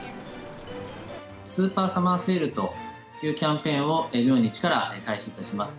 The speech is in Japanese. スーパーサマーセールというキャンペーンを明日から開始いたします。